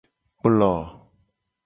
Kplo.